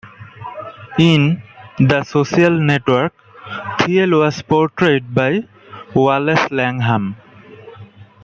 In "The Social Network", Thiel was portrayed by Wallace Langham.